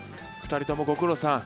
２人ともご苦労さん。